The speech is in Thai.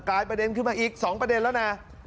ลายประเด็นขึ้นมาอีก๒ประเด็นแล้วนะ